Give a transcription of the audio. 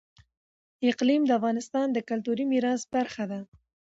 اقلیم د افغانستان د کلتوري میراث برخه ده.